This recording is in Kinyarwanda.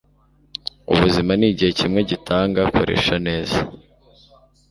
ubuzima nigihe kimwe gitanga, koresha neza